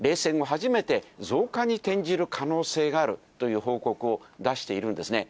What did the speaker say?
初めて、増加に転じる可能性があるという報告を出しているんですね。